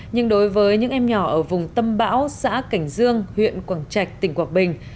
nhưng đối với những em nhỏ ở vùng tâm bão xã cảnh dương huyện quảng trạch tỉnh quảng bình